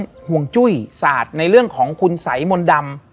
และวันนี้แขกรับเชิญที่จะมาเยี่ยมในรายการสถานีผีดุของเรา